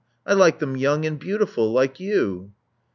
I like them young and beautiful, like you."